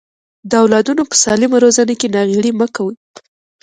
د اولادونو په سالمه روزنه کې ناغيړي مکوئ.